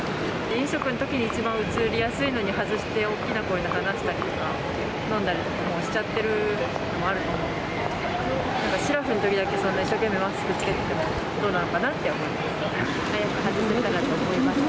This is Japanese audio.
飲食のときに一番うつりやすいのに外して大きな声で話したりとか、飲んだりとかもうしちゃってるのもあると思うので、しらふのときだけ、一生懸命マスク着けてても、どうなのかなって思います。